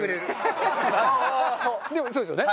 でもそうですよね。